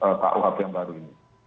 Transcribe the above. rkuap yang baru ini